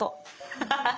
アハハハ。